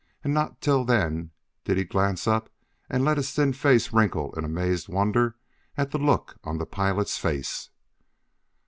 And not till then did he glance up and let his thin face wrinkle in amazed wonder at the look on the pilot's face.